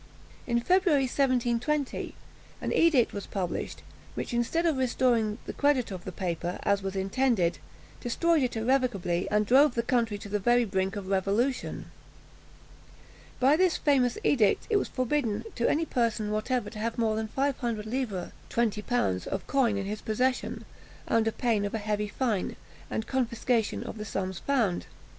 In February 1720 an edict was published, which, instead of restoring the credit of the paper, as was intended, destroyed it irrecoverably, and drove the country to the very brink of revolution. By this famous edict it was forbidden to any person whatever to have more than five hundred livres (20l.) of coin in his possession, under pain of a heavy fine, and confiscation of the sums found.